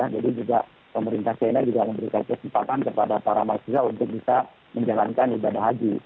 jadi juga pemerintah china juga memberikan kesempatan kepada para mahasiswa untuk bisa menjalankan ibadah haji